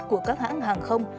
của các hãng hàng không